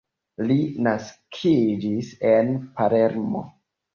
Li naskiĝis en Palermo.